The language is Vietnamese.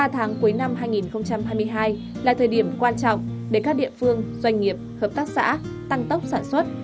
ba tháng cuối năm hai nghìn hai mươi hai là thời điểm quan trọng để các địa phương doanh nghiệp hợp tác xã tăng tốc sản xuất